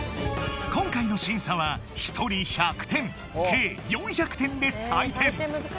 今回の審査は１人１００点計４００点で採点